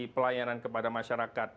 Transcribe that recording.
pelayanan kepada masyarakat